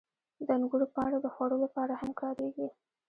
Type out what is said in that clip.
• د انګورو پاڼې د خوړو لپاره هم کارېږي.